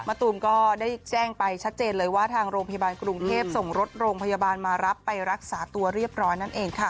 ตูมก็ได้แจ้งไปชัดเจนเลยว่าทางโรงพยาบาลกรุงเทพส่งรถโรงพยาบาลมารับไปรักษาตัวเรียบร้อยนั่นเองค่ะ